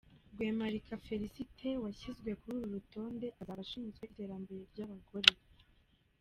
Rwemalika Félicité washyizwe kuri uru rutonde azaba ashinzwe iterambere ry’abagore.